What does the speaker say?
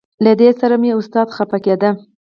له دې سره به مې استاد خپه کېده.